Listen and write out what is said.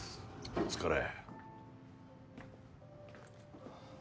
お疲れ。